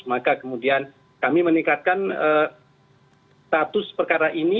maka kemudian kami meningkatkan status perkara ini